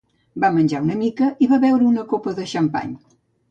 Va menjar una mica i va beure una copa de xampany.